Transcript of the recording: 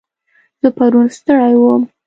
زه پرون ستړی وم.